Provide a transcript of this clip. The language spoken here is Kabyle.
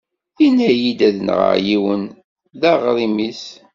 Yenna-yi ad nɣeɣ yiwen! D aɣrim-is.